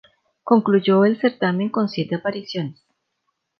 Concluyó el certamen con siete apariciones.